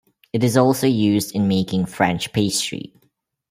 It is also used in making French pastry.